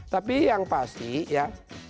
tapi yang pasti ya